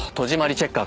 チェッカー？